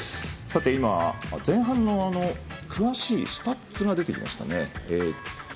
今、前半の詳しいスタッツが出てきましたね。